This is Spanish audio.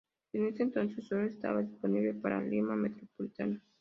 En ese entonces, sólo estaba disponible para Lima Metropolitana.